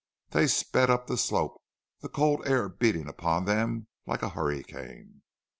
They sped up the slope, the cold air beating upon them like a hurricane.